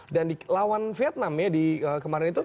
dan lawan vietnam ya di kemarin itu